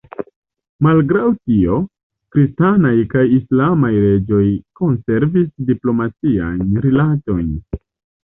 Malgraŭ tio, kristanaj kaj islamaj reĝoj konservis diplomatiajn rilatojn.